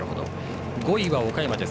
５位は岡山です。